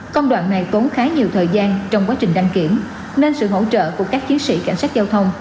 công đoạn này tốn khá nhiều thời gian trong quá trình đăng kiểm nên sự hỗ trợ của các chiến sĩ cảnh sát giao thông